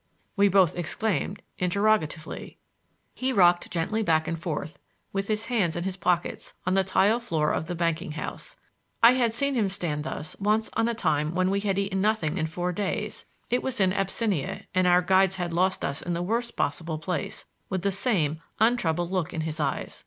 we both exclaimed interrogatively. He rocked gently back and forth, with his hands in his pockets, on the tile floor of the banking house. I had seen him stand thus once on a time when we had eaten nothing in four days—it was in Abyssinia, and our guides had lost us in the worst possible place—with the same untroubled look in his eyes.